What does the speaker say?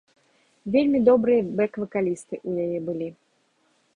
Вельмі добрыя бэк-вакалісты ў яе былі.